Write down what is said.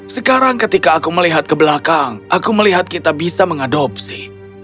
sekarang ketika aku melihat ke belakang aku melihat kita bisa mengadopsi